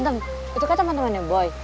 itu kan teman temannya boy